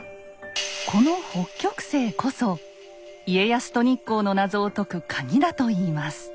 この北極星こそ家康と日光の謎を解く鍵だといいます。